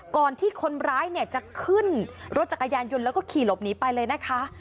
ก่อนที่คนร้ายเนี่ยจะขึ้นรถจักรยานยนต์แล้วก็ขี่หลบหนีไปเลยนะคะ